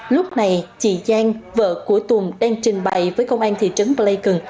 lúc này chị giang vợ của tùng đang trình bày với công an thị trấn blacken